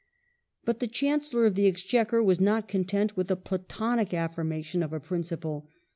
But the Chancellor of the Exchequer was not content with the Platonic affirmation of a principle.